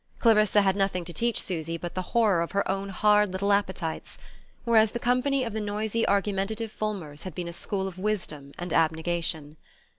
Clarissa had nothing to teach Susy but the horror of her own hard little appetites; whereas the company of the noisy argumentative Fulmers had been a school of wisdom and abnegation.